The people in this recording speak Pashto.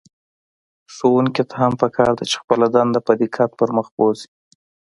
ښوونکي ته هم په کار ده چې خپله دنده په دقت پر مخ بوځي.